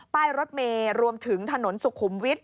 ป้ายรถเมย์รวมถึงถนนสุขุมวิทย